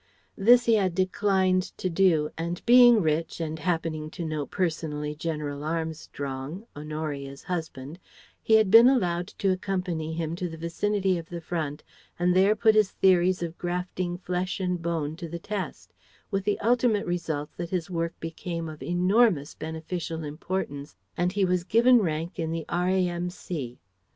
This he had declined to do, and being rich and happening to know personally General Armstrong (Honoria's husband) he had been allowed to accompany him to the vicinity of the front and there put his theories of grafting flesh and bone to the test; with the ultimate results that his work became of enormous beneficial importance and he was given rank in the R.A.M.C.